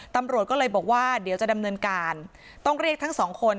ตำรวจก็เลยบอกว่าเดี๋ยวจะดำเนินการต้องเรียกทั้งสองคน